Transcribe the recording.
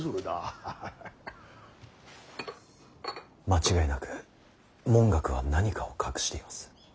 間違いなく文覚は何かを隠しています。